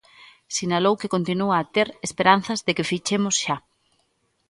Sinalou que continúa a ter "esperanzas de que fichemos xa".